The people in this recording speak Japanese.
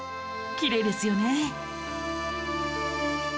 きれいですよね！